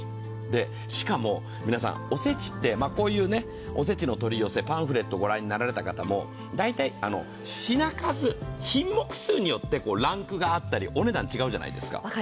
しかもおせちって、こういうおせちの取り寄せパンフレット御覧になられた方も大体品数、品目数によってランクがあったり、お値段違うじゃないですか。